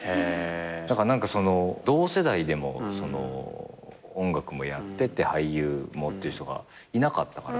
だから何か同世代でも音楽もやってて俳優もっていう人がいなかったから当時。